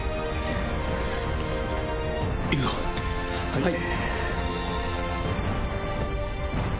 はい。